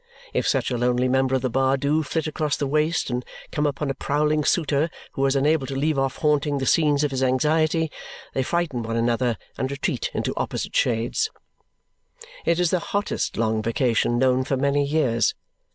If such a lonely member of the bar do flit across the waste and come upon a prowling suitor who is unable to leave off haunting the scenes of his anxiety, they frighten one another and retreat into opposite shades. It is the hottest long vacation known for many years.